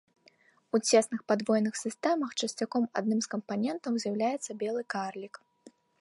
У цесных падвойных сістэмах часцяком адным з кампанентаў з'яўляецца белы карлік.